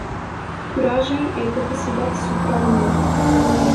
Coragem é a capacidade de superar o medo.